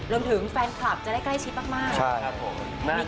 รวมถึงแฟนคลับจะได้ใกล้ชิดมาก